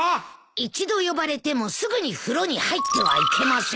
一度呼ばれてもすぐに風呂に入ってはいけません。